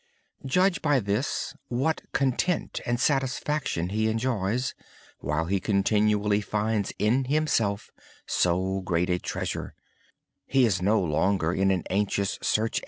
Judge by this what content and satisfaction he enjoys. While he continually finds within himself so great a treasure, he no longer has any need to search for it.